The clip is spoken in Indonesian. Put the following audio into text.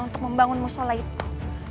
untuk membangun musola itu